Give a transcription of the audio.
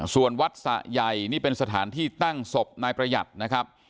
ส่วนวัดสะใหญ่นี่เป็นสถานที่ตั้งศพนายประหยัดนะครับ